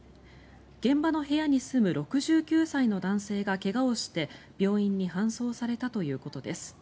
現場の部屋に住む６９歳の男性が怪我をして病院に搬送されたということです。